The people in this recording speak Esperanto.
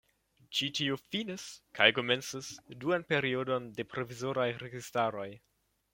Ĉi tiu finis kaj komencis duan periodon de provizoraj registaroj.